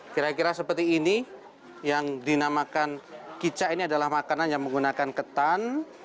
kira kira seperti ini yang dinamakan kicak ini adalah makanan yang menggunakan ketan